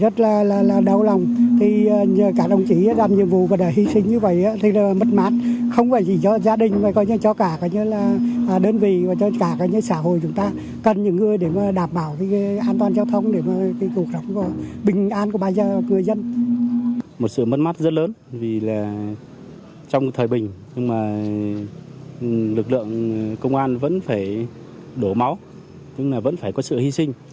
trong thời bình lực lượng công an vẫn phải đổ máu vẫn phải có sự hy sinh